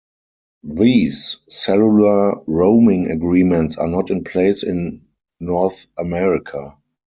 These cellular roaming agreements are not in place in North America.